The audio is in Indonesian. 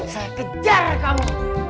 saya kejar kamu